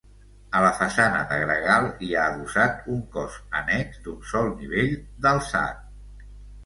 A la façana de gregal hi ha adossat un cos annex d'un sol nivell d'alçat.